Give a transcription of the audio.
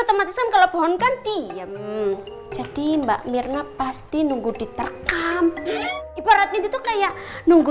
otomatisan kalau pohon kan diam jadi mbak mirna pasti nunggu diterkam ibaratnya gitu kayak nunggu